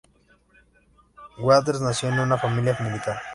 Weathers nació en una familia militar.